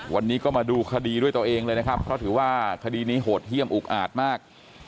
วันนี้ก็มาดูคดีด้วยตัวเองเลยนะครับเพราะถือว่าคดีนี้โหดเยี่ยมอุกอาจมาก